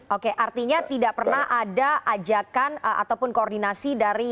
oke artinya tidak pernah ada ajakan ataupun koordinasi dari